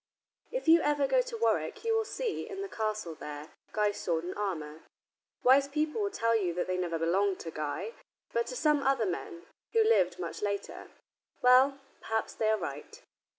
If you ever go to Warwick you will see, in the castle there, Guy's sword and armor. Wise people will tell you that they never belonged to Guy, but to some other men who lived much later. Well, perhaps they are right.